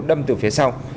đâm từ phía sau